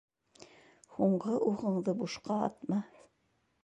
Һуңғы уғыңды бушҡа атма.